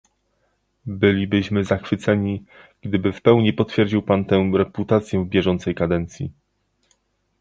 Bylibyśmy zachwyceni, gdyby w pełni potwierdził pan tę reputację w bieżącej kadencji